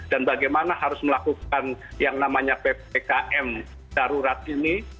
dan bagaimana harus melakukan yang namanya ppkm darurat ini